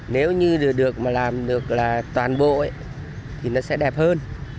nếu như được mà làm được là toàn bộ thì nó sẽ đẹp hơn